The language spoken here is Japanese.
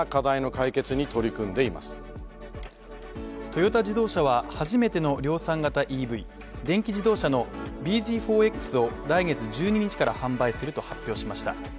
トヨタ自動車は初めての量産型ＥＶ＝電気自動車のｂＺ４Ｘを来月１２日から販売すると発表しました。